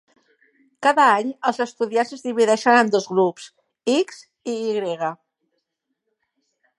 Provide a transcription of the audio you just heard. Cada any, els estudiants es divideixen en dos grups, x i y.